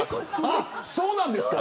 そうなんですか。